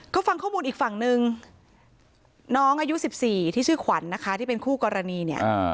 ก็ฟังข้อมูลอีกฝั่งนึงน้องอายุ๑๔ที่ชื่อขวัญนะคะที่เป็นคู่กรณีเนี่ย